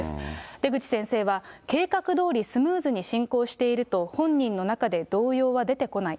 出口先生は、計画通りスムーズに進行していると、本人の中で動揺は出てこない。